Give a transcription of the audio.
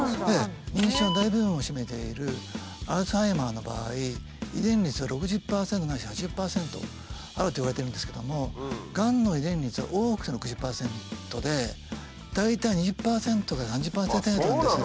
認知症の大部分を占めているアルツハイマーの場合遺伝率は６０％ないし８０％あるといわれてるんですけどもがんの遺伝率は多くても６０％で大体２０％から３０％程度なんですよ。